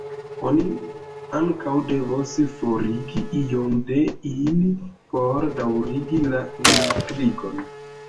Oni ankaŭ devos forigi iom de ili por daŭrigi la intrigon.